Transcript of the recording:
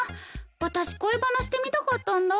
私恋バナしてみたかったんだ。